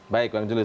baik bang julius